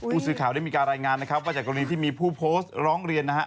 ผู้สื่อข่าวได้มีการรายงานนะครับว่าจากกรณีที่มีผู้โพสต์ร้องเรียนนะฮะ